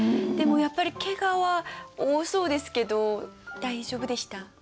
でもやっぱりけがは多そうですけど大丈夫でした？